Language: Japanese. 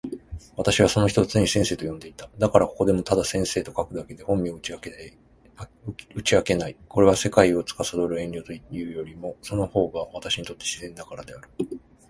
私はその人を常に先生と呼んでいた。だから、ここでもただ先生と書くだけで、本名は打ち明けない。これは、世界を憚る遠慮というよりも、その方が私にとって自然だからである。